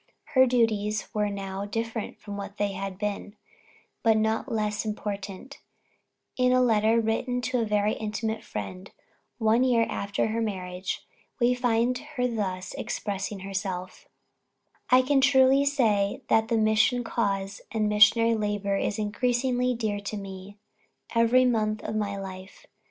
Her duties now were different from what they had been, but not less important; and in a letter written to a very intimate friend one year after her marriage, we find her thus expressing herself: "I can truly say that the mission cause, and missionary labor is increasingly dear to me, every month of my life.